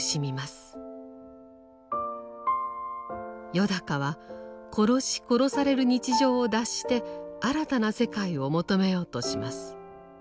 よだかは殺し殺される日常を脱して新たな世界を求めようとします。